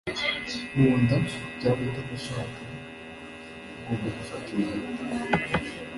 nkunda cyangwa utabishaka, ugomba gufata uyu muti